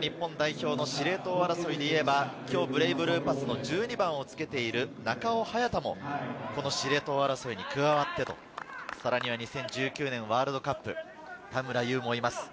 日本代表の司令塔争いでいえば今日、ブレイブルーパスの１２番をつけている中尾隼太も司令塔争いに加わって、さらに２０１９年ワールドカップ、田村優もいます。